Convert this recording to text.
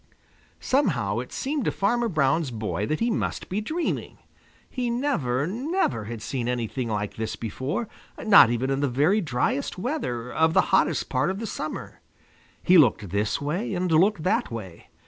Somehow, it seemed to Farmer Brown's boy that he must be dreaming. He never, never had seen anything like this before, not even in the very driest weather of the hottest part of the summer. He looked this way and looked that way.